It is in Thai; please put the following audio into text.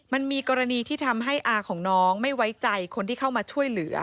มันมีกรณีที่ทำให้อาของน้องไม่ไว้ใจคนที่เข้ามาช่วยเหลือ